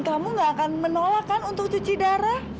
kamu nggak akan menolakkan untuk cuci darah